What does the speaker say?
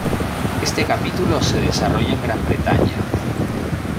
Este capítulo se desarrolla en Gran Bretaña.